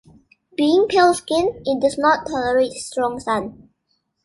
Being pale-skinned, it does not tolerate strong sun.